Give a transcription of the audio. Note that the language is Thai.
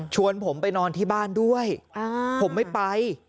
ผมไปนอนที่บ้านด้วยผมไม่ไป